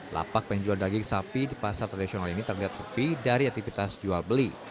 lapak penjual daging sapi di pasar tradisional ini terlihat sepi dari aktivitas jual beli